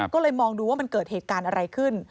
ก็เลยมองดูว่ามันเกิดเหตุการณ์อะไรขึ้น